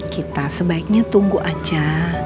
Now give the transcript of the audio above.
kita sebaiknya tunggu aja